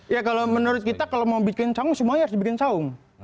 ya kalau menurut kita kalau mau bikin saung semuanya harus dibikin saung